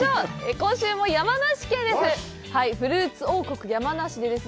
今週も山梨県です。